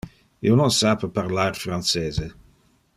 Io non sape parlar francese.